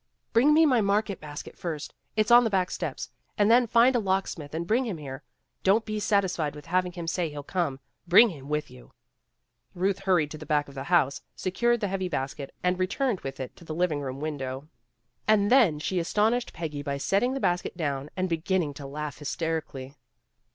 "Bring me my market basket, first. It's on the back steps. And then find a locksmith and bring him here. Don't be satisfied with hav ing him say he '11 come. Bring him with you. '' Ruth hurried to the back of the house, se cured the heavy basket, and returned with it to the living room window. And then she as tonished Peggy by setting the basket down and beginning to laugh hysterically.